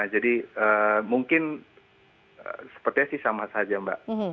jadi mungkin sepertinya sih sama saja mbak